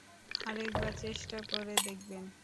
আরেকবার চেষ্টা করে দেখবেন?